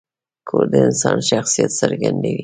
کور د انسان شخصیت څرګندوي.